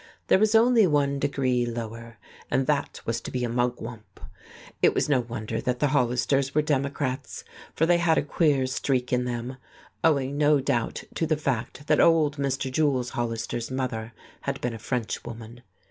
There was only one degree lower, and that was to be a mugwump. It was no wonder that the Hollisters were Democrats, for they had a queer streak in them; owing, no doubt, to the fact that old Mr. Jules Hollister's mother had been a Frenchwoman.